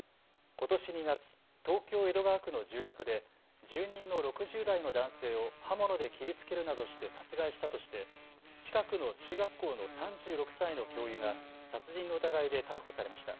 ことし２月、東京江戸川区の住宅で住人の６０代の男性を刃物で切りつけるなどして殺害したとして近くの中学校の３６歳の教諭が殺人の疑いで逮捕されました。